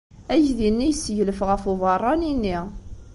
Aydi-nni yesseglef ɣef ubeṛṛani-nni.